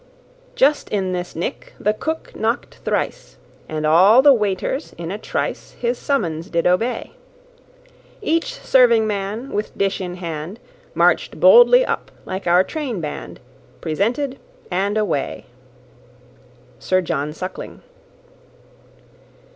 "Just in this nick the cook knock'd thrice, And all the waiters in a trice His summons did obey; Each serving man, with dish in hand, March'd boldly up, like our train band, Presented and away."* * Sir John Suckling.